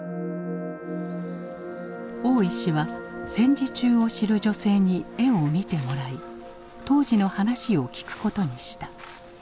大石は戦時中を知る女性に絵を見てもらい当時の話を聞くことにした。